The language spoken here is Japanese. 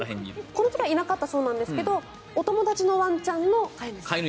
この時はいなかったそうですがお友達のワンちゃんの飼い主さん。